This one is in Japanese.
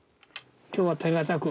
今日は手堅く。